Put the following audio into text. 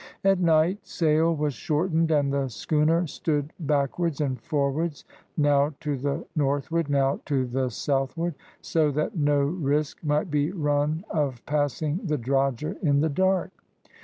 At night sail was shortened, and the schooner stood backwards and forwards, now to the northward, now to the southward, so that no risk might be run of passing the drogher in the dark.